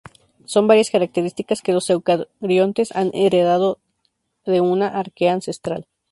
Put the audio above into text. Son varias características que los eucariontes han heredado de una arquea ancestral.